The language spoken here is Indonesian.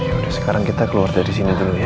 ya udah sekarang kita keluar dari sini dulu ya